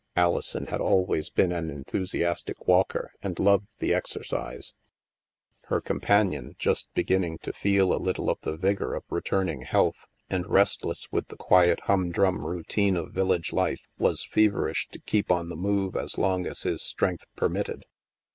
Alison had always been an enthusiastic walker and loved the exercise; her companion, just beginning to feel a little of the vigor of returning health, and restless with the quiet humdrum routine of village life, was feverish to keep on the move as long as his strength permitted.